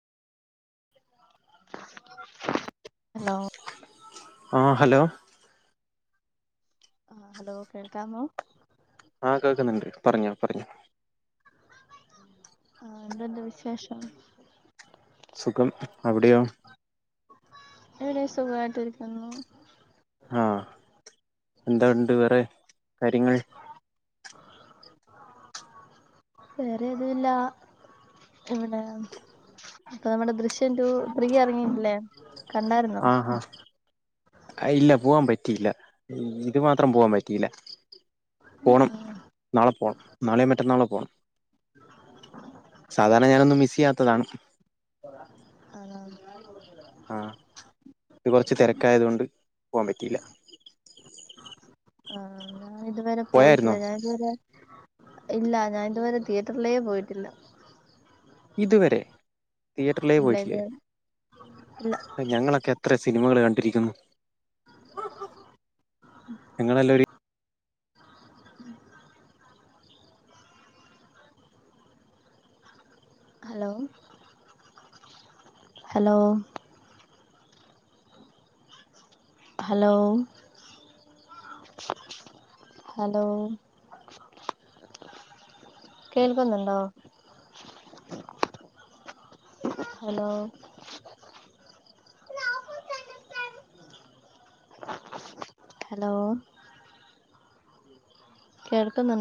hello ആഹ്‌ hello ആഹ് hello കേൾക്കാമോ ആഹ് കേൾക്കുന്നുണ്ട് പറഞ്ഞോ പറഞ്ഞോ ആഹ് എന്തുണ്ട് വിശേഷം സുഖം അവിടെയോ ഇവിടെം സുഖായിട്ടിരിക്കുന്നു ആഹ് എന്താണ്ട് വേറെ കാര്യങ്ങൾ വേറെ ഏതുല്ല ഇവിടെ പെയ്മൺ ദൃശ്യം റ്റൂ ത്രീ എറങ്ങിയിട്ടില്ലേ ആഹ് ആഹ് അഹ് ഇല്ല പോവാൻ പറ്റിയില്ല ഇത് മാത്രം പോവാൻ പറ്റിയില്ല പോണം [unintelligible] നാളെ പോണം നാളെയൊ മറ്റന്നാളോ പോണം സാധാരണ ഞാനൊന്നും മിസ് ചെയ്യാത്തതാണ് ആണോ ആഹ് ഇന്ന് കൊറച്ച് തെരക്കായത്ത് കെണ്ട് പോവാൻ പറ്റിയില്ല ആഹ് ഞാൻ ഇതുവരെ പോയായിരുന്നോ പോയിട്ടില്ല ഞാൻ ഇതുവരെ ഇല്ല ഞാൻ ഇതുവരെ തിയേറ്ററിലേ പോയിട്ടില്ല ഇതുവരെ തിയറ്ററിലേ ഇല്ല പോയിട്ടില്ലേ ഇത് ഇല്ല ഞങ്ങളൊക്കെ എത്ര സിനിമകൾ കണ്ടിരിക്കുന്നു ഞങ്ങളെല്ലാം ഒര് ഉം ഹലോ ഹലോ ഹലോ ഹലോ കേൾക്കുന്നുണ്ടോ ഹലോ ഹലോ കേൾക്കുന്നു